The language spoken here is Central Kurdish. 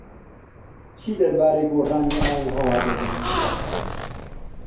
چی دەربارەی گۆڕانی ئاووهەوا دەزانیت؟